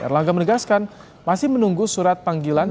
erlangga menegaskan masih menunggu surat panggilan